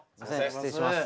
失礼します。